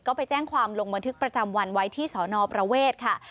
ก็ไปแจ้งความลงบันทึกประจำวันไว้ที่สอนอประเวทค่ะ